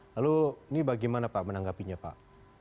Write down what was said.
lalu ini bagaimana pak menanggapinya pak